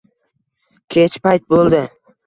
Kech payt bo'ldi.